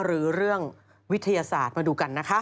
หรือเรื่องวิทยาศาสตร์มาดูกันนะคะ